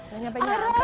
nggak nyampe nyampe